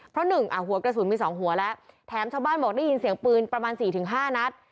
เพราะหนึ่งอ่ะหัวกระสุนมีสองหัวแล้วแถมชาวบ้านบอกได้ยินเสียงปืนประมาณ๔๕นัด